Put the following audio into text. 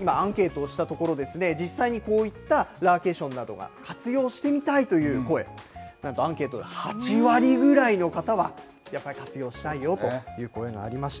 今、アンケートをしたところですね、実際にこういったラーケーションなどは活用してみたいという声、なんとアンケートでは８割ぐらいの方が、やっぱり活用したいよという声がありました。